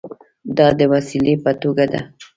دا د وسیلې په توګه ده.